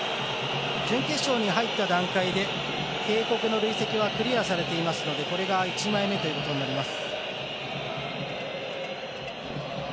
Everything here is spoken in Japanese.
準決勝に入った段階で警告の累積はクリアされていますのでこれが１枚目ということになります。